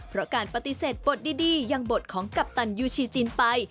เพราะการปฏิเสธบทดียังบทของกัปตันยูชีจีนไป